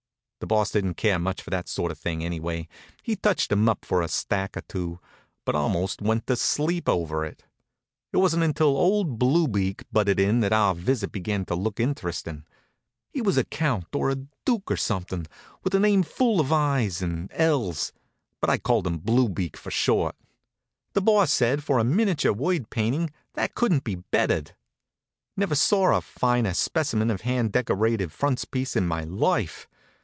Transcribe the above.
The Boss didn't care much for that sort of thing anyway. He touched 'em up for a stack or two, but almost went to sleep over it. It wasn't until Old Blue Beak butted in that our visit began to look interestin'. He was a count, or a duke, or something, with a name full of i's and l's, but I called him Blue Beak for short. The Boss said for a miniature word painting that couldn't be bettered. Never saw a finer specimen of hand decorated frontispiece in my life.